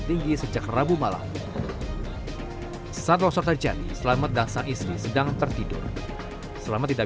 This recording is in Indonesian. tinggi sejak rabu malam saat longsor terjadi selamat dan sang istri sedang tertidur selama tidak